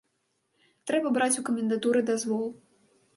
Трэба браць у камендатуры дазвол.